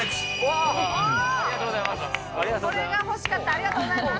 ありがとうございます。